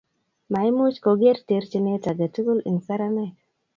maimuch koger terchinet aketugul eng saramek